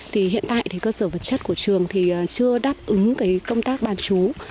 thì hiện tại thì cơ sở vật chất của trường thì chưa đáp ứng cái công tác bán chú